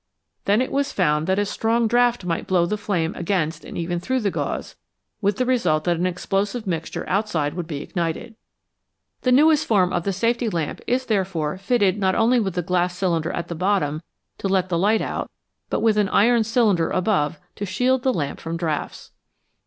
Then it was found that a strong draught might blow the flame against and even through the gauze, with the result that an explosive mixture outside would be ignited. The newest form of the safety lamp 163 FLAME: WHAT IS IT? is therefore fitted, not only with a glass cylinder at the bottom to let the light out, but with an iron cylinder above to shield the lamp from draughts.